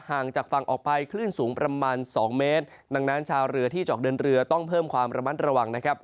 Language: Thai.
ห่างจากฝั่งออกไปคลื่นสูงประมาณสองเมตรดังนั้นชาวเรือที่จะออกเดินเรือต้องเพิ่มความระมัดระวังนะครับ